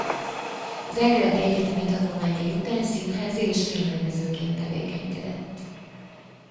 Zágrábi egyetemi tanulmányai után színházi- és filmrendezőként tevékenykedett.